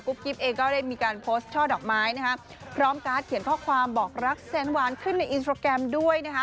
กิ๊บเองก็ได้มีการโพสต์ช่อดอกไม้นะคะพร้อมการ์ดเขียนข้อความบอกรักแสนหวานขึ้นในอินสตราแกรมด้วยนะคะ